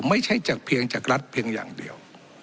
ไม่ใช่จากเพียงจากรัฐเพียงอย่างเดียว